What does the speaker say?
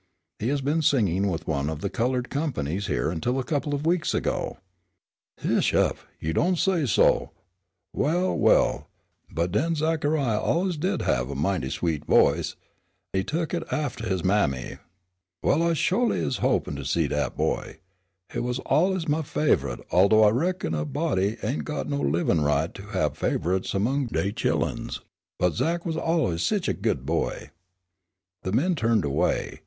He has been singing with one of the colored companies here until a couple of weeks ago." "Heish up; you don't say so. Well! well! well! but den Zachariah allus did have a mighty sweet voice. He tu'k hit aftah his mammy. Well, I sholy is hopin' to see dat boy. He was allus my favorite, aldough I reckon a body ain' got no livin' right to have favorites among dey chilluns. But Zach was allus sich a good boy." The men turned away.